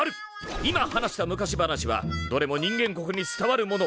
今話した昔話はどれも人間国に伝わるもの！